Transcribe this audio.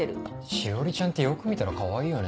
志織ちゃんってよく見たらかわいいよね。